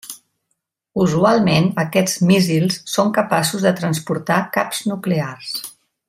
Usualment aquests míssils són capaços de transportar caps nuclears.